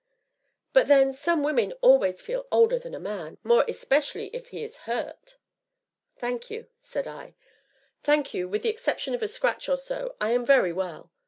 "But then, some women always feel older than a man more especially if he is hurt." "Thank you," said I, "thank you; with the exception of a scratch, or so, I am very well!"